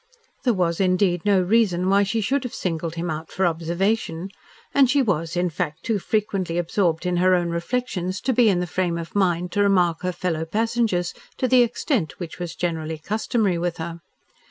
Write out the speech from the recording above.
There was, indeed, no reason why she should have singled him out for observation, and she was, in fact, too frequently absorbed in her own reflections to be in the frame of mind to remark her fellow passengers to the extent which was generally customary with her.